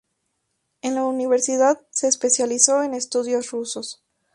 En la universidad se especializó en Estudios Rusos.